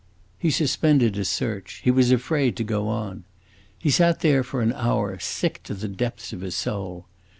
He suspended his search; he was afraid to go on. He sat there for an hour, sick to the depths of his soul.